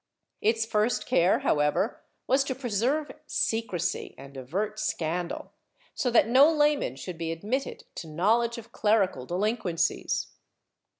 Its first care, however, was to preserve secrecy and avert scandal, so that no layman should be admitted to knowl edge of clerical delinquencies.